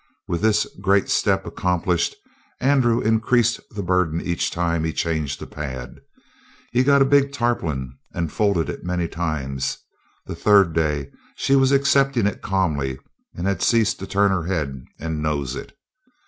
With this great step accomplished, Andrew increased the burden each time he changed the pad. He got a big tarpaulin and folded it many times; the third day she was accepting it calmly and had ceased to turn her head and nose it.